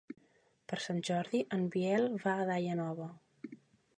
Per Sant Jordi en Biel va a Daia Nova.